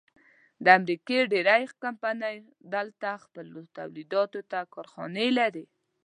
د امریکې ډېرۍ کمپنۍ دلته خپلو تولیداتو ته کارخانې لري.